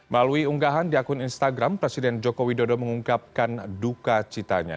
malui unggahan di akun instagram presiden jokowi dodo mengungkapkan duka citanya